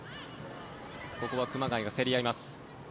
ここは熊谷が競り合います。